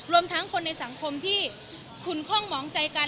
รวมทั้งคนในสังคมที่คุณคล่องหมองใจกัน